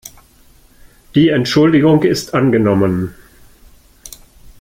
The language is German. Die Entschuldigung ist angenommen.